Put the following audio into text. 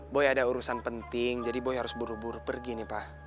boy ada urusan penting jadi boy harus buru buru pergi nih pak